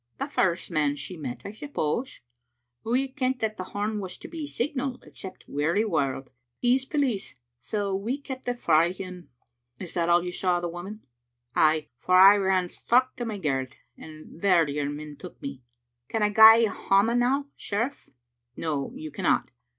" The first man she met, I suppose. We a' kent that the horn was to be the signal except Wearywarld. He's police, so we kept it frae him." "That is all you saw of the woman?" " Ay, for I ran straucht to my garret, and there your men took me. Can I gae hame now, sheriff?" " No, you cannot.